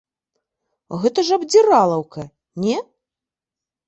Гэта ж абдзіралаўка, не?